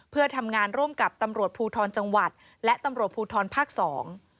เพื่อทำงานร่วมกับตำรวจภูทรจังหวัดและตำรวจภูทรภาคสอง